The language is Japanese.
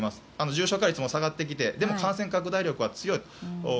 重症化率も下がってきてでも感染拡大力は強い。